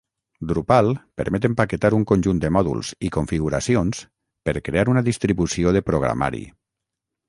Drupal permet empaquetar un conjunt de mòduls i configuracions per crear una distribució de programari.